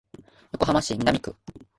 横浜市南区